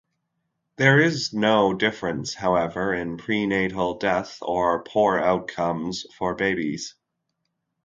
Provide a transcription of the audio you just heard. There is no difference, however, in perinatal death or poor outcomes for babies.